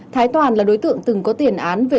thái toàn là đối tượng từng có tiền án